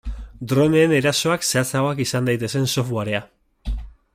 Droneen erasoak zehatzagoak izan daitezen softwarea.